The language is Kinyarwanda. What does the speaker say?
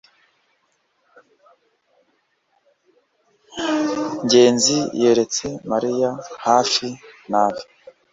ngenzi yeretse mariya hafi nabi